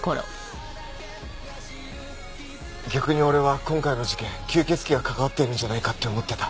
逆に俺は今回の事件吸血鬼が関わってるんじゃないかって思ってた。